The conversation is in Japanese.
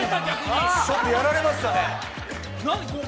ちょっとやられましたね。